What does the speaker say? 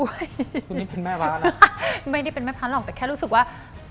วันนี้เป็นแม่ม้าแล้วไม่ได้เป็นแม่ค้าหรอกแต่แค่รู้สึกว่า